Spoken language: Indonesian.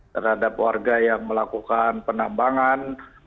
terhadap warga yang melakukan penambangan